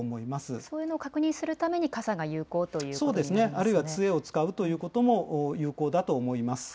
そういうのを確認するためにそうですね、あるいはつえを使うということも有効だと思います。